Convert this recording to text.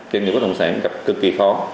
doanh nghiệp bất động sản gặp cực kỳ khó